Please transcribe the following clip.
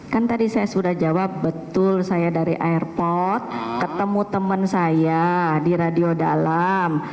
kan tadi saya sudah jawab betul saya dari airport ketemu teman saya di radio dalam